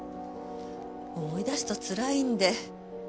思い出すとつらいんで。